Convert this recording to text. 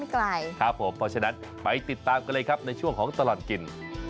เพราะฉะนั้นไปติดตามกันเลยครับในช่วงของตลอดกิน